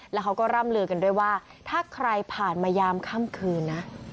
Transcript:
แล้วเขาก็ร่ำลือกันด้วยว่าถ้าใครผ่านมายามค่ำคืนนะ